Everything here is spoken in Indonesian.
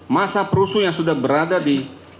masa perusuh yang sudah berada di